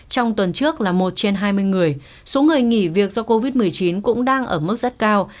trong tuần trước là một trên hai mươi người số người nghỉ việc do covid một mươi chín cũng đang ở mức rất cao